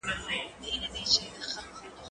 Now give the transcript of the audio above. زه له سهاره د کتابتون پاکوالی کوم،